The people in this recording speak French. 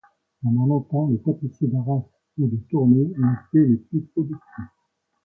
Pendant longtemps, les tapissiers d'Arras ou de Tournai ont été les plus productifs.